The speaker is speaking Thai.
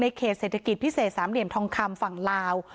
ในเคสเศรษฐกิจพิเศษ๓เดียนทองคำฝั่งลาว